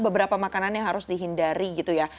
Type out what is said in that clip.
beberapa makanan yang harus dihindari gitu ya